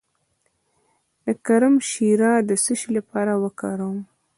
د کرم شیره د څه لپاره وکاروم؟